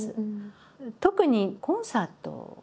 特にコンサートかな。